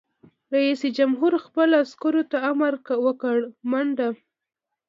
رئیس جمهور خپلو عسکرو ته امر وکړ؛ منډه!